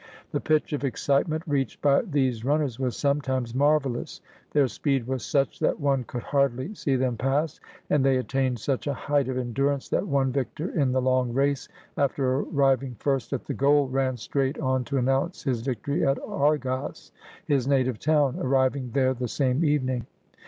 The pitch of excitement reached by these runners was sometimes marvelous ; their speed was such that one could hardly see them pass, and they attained such a height of endurance that one victor in the long race, after arriving first at the goal, ran straight on to announce his victory at Argos, his native town, arriving there the same evening.